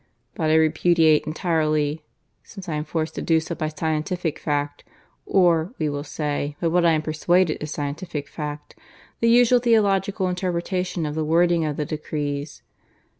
But I repudiate entirely since I am forced to do so by scientific fact (or, we will say, by what I am persuaded is scientific fact) the usual theological interpretation of the wording of the decrees.